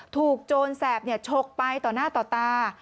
ถูกโจรแสบเนี่ยชกไปต่อหน้าต่อตา